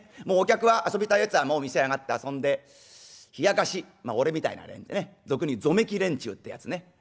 もうお客は遊びたいやつはもう店へ上がって遊んでひやかしまあ俺みたいな連中俗に言うぞめき連中ってやつね。